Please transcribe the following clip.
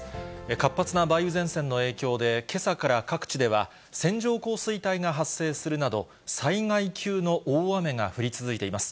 活発な梅雨前線の影響で、けさから各地では、線状降水帯が発生するなど、災害級の大雨が降り続いています。